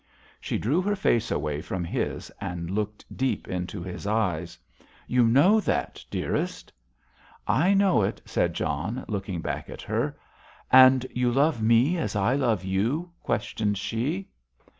She drew her face away from his and looked deep into his eyes. "You know that, dearest?" "I know it," said John, looking back at her. "And you love me as I love you?" questioned she.